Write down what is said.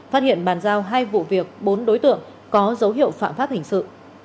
phát hiện bàn giao hai vụ việc bốn đối tượng có dấu hiệu phạm pháp hình sự